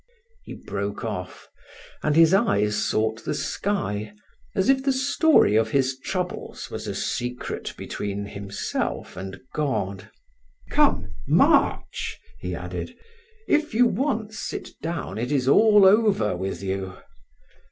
He broke off, and his eyes sought the sky, as if the story of his troubles was a secret between himself and God. "Come, march!" he added. "If you once sit down, it is all over with you."